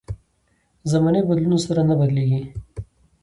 زمانې بدلونونو سره نه بدلېږي.